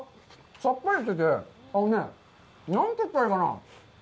さっぱりしてて、あのね、何て言ったらいいかな。